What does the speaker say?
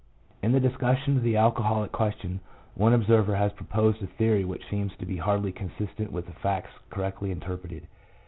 2 In the discussion of the alcoholic question, one observer 3 has proposed a theory which seems to be hardly consistent with the facts correctly interpreted.